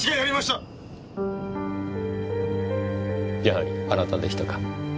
やはりあなたでしたか。